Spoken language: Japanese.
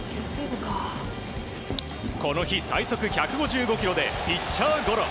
この日、最速１５５キロでピッチャーゴロ。